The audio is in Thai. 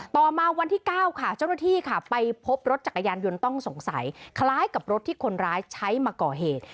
ต่อมาวันที่๙ค่ะเจ้าหน้าที่ค่ะไปพบรถจักรยานยนต์ต้องสงสัยคล้ายกับรถที่คนร้ายใช้มาก่อเหตุ